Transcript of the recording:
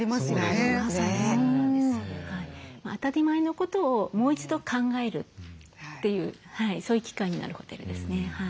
当たり前のことをもう一度考えるというそういう機会になるホテルですね。